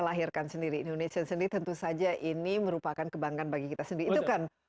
lahirkan sendiri indonesia sendiri tentu saja ini merupakan kebanggaan bagi kita sendiri itu kan